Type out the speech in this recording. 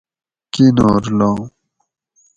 کِنور لام